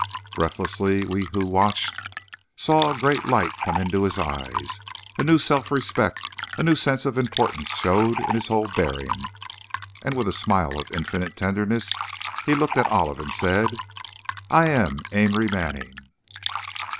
Breathlessly, we who watched, saw a great light come into his eyes, a new self respect, a new sense of importance showed in his whole bearing and, with a smile of infinite tenderness he looked at Olive and said: "I am Amory Manning!"